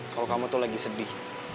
kalau kamu tuh lagi sedih